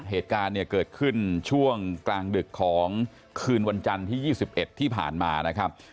เหตุการณ์เนี่ยเกิดขึ้นช่วงกลางดึกของคืนวันจันทร์ที่๒๑ที่ผ่านมานะครับ